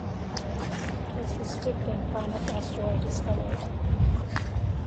It was his fifth and final asteroid discovery.